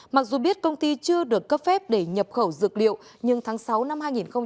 mặc dù biết công ty chưa được cấp phép để nhập khẩu dược liệu nhưng tháng sáu năm hai nghìn một mươi chín